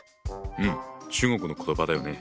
うん中国の言葉だよね。